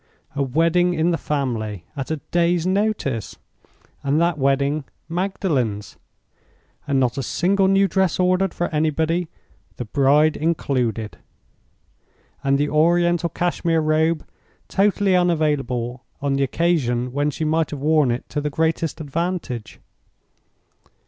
A wedding in the family at a day's notice! and that wedding Magdalen's! and not a single new dress ordered for anybody, the bride included! and the Oriental Cashmere Robe totally unavailable on the occasion when she might have worn it to the greatest advantage!